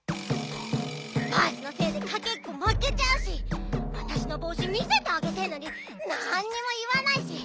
バースのせいでかけっこまけちゃうしわたしのぼうし見せてあげてるのになんにもいわないし！